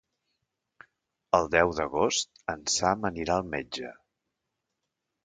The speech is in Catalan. El deu d'agost en Sam anirà al metge.